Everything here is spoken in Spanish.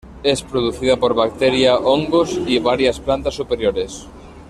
Es producida por bacteria, hongos y varias plantas superiores.